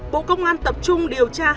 bộ công an tập trung điều tra